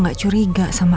gua juga gue balik aja